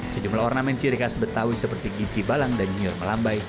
sejumlah ornamen ciri khas betawi seperti gigi balang dan nyur melambai